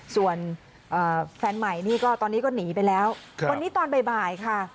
ส่วนแฟนใหม่นี่ก็ตอนนี้ก็หนีไปแล้ววันนี้ตอนบ่ายค่ะ